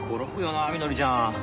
なみのりちゃん。